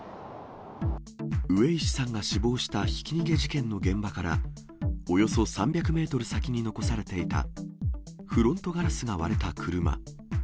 上石さんが死亡したひき逃げ事件の現場からおよそ３００メートル先に残されていた、フロントガラスが割れた車。